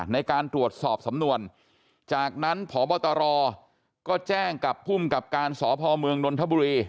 ในการตรวจสอบสำนวนจากนั้นพบตรก็แจ้งกับภูมิกับการสพเมืองนนทบุรี